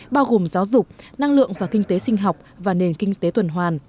bao gồm giáo dục năng lượng và kinh tế sinh học và nền kinh tế tuần hoàn